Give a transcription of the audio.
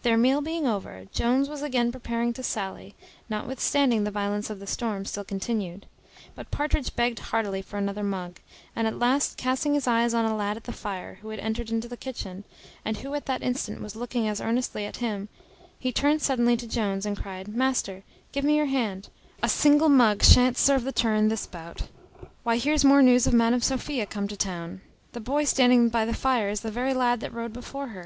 Their meal being over, Jones was again preparing to sally, notwithstanding the violence of the storm still continued; but Partridge begged heartily for another mug; and at last casting his eyes on a lad at the fire, who had entered into the kitchen, and who at that instant was looking as earnestly at him, he turned suddenly to Jones, and cried, "Master, give me your hand, a single mug shan't serve the turn this bout. Why, here's more news of Madam Sophia come to town. The boy there standing by the fire is the very lad that rode before her.